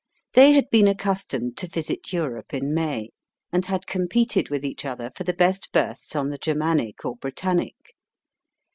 They had been accustomed to visit Europe in May, and had competed with each other for the best berths on the Germanic or Britannic.